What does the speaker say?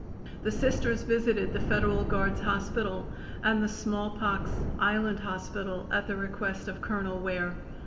The Sisters visited the Federal Guards Hospital and the smallpox island hospital at the request of Colonel Ware.